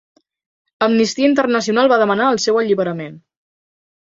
Amnistia Internacional va demanar el seu alliberament.